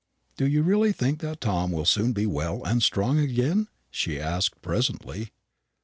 "Do you really think that Tom will soon be well and strong again?" she asked presently.